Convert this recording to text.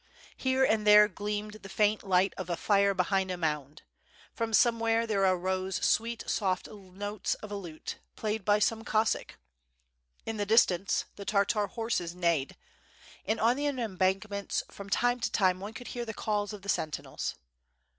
Here and there gleamed the faint light of a fire behind a mound. From somewhere there arose sweet, soft notes of a lute, played by some Cossack. In the distance the Tartar horses neighed, and on the embankments from time to time one could hear the calls of the sentinels.